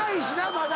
まだ。